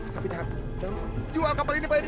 tapi jangan jual kapal ini pak ini